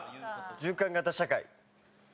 循環型社会。